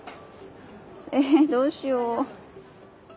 えどうしよう。